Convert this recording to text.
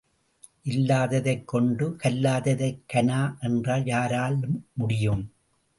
இல்லாததைக் கொண்டு கல்லாததைக் கனா என்றால் யாரால் முடியும்?